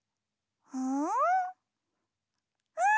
うん？